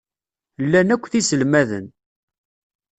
Llan akk d iselmaden.